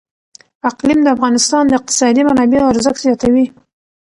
اقلیم د افغانستان د اقتصادي منابعو ارزښت زیاتوي.